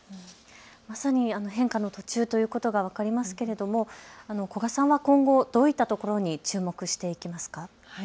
まさに変化の途中ということが分かりますけれども古賀さんは今後、どういったところに注目していきますか。